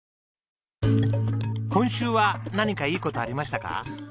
今週は何かいい事ありましたか？